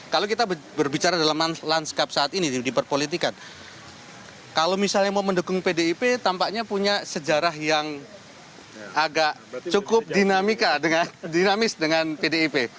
kalau kita berbicara dalam lanskap saat ini di perpolitikan kalau misalnya mau mendukung pdip tampaknya punya sejarah yang agak cukup dinamis dengan pdip